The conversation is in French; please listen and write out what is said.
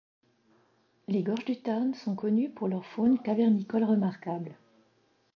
Les gorges du Tarn sont connues pour leur faune cavernicole remarquable.